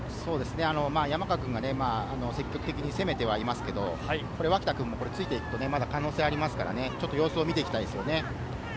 山川君が積極的に攻めてはいますけど、これ脇田君もついて行くと、まだ可能性ありますから様子を見ていきたいですね。